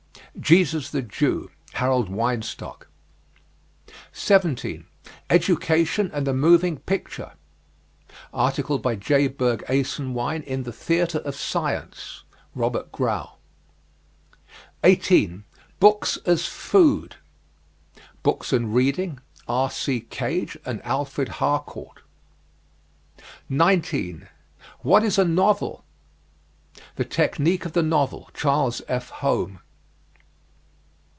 "Jesus the Jew," Harold Weinstock. 17. EDUCATION AND THE MOVING PICTURE. Article by J. Berg Esenwein in "The Theatre of Science," Robert Grau. 18. BOOKS AS FOOD. "Books and Reading," R.C. Gage and Alfred Harcourt. 19. WHAT IS A NOVEL? "The Technique of the Novel," Charles F. Home.